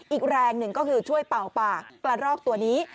อีกแรงหนึ่งก็คือช่วยเป่าปากกระรอกตัวนี้